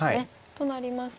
となりますと？